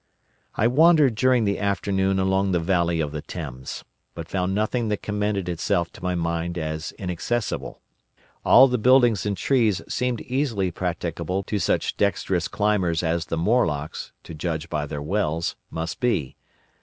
"I wandered during the afternoon along the valley of the Thames, but found nothing that commended itself to my mind as inaccessible. All the buildings and trees seemed easily practicable to such dexterous climbers as the Morlocks, to judge by their wells, must be.